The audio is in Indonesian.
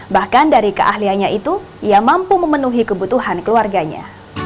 bahkan dari keahliannya itu ia mampu memenuhi kebutuhan keluarganya